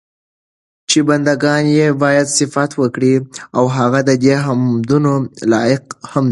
چې بندګان ئي بايد صفت وکړي، او هغه ددي حمدونو لائق هم دی